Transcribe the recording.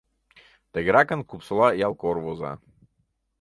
Тыгеракын Купсола ялкор воза.